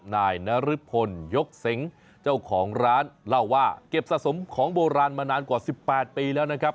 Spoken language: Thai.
นายนรพลยกเสงเจ้าของร้านเล่าว่าเก็บสะสมของโบราณมานานกว่า๑๘ปีแล้วนะครับ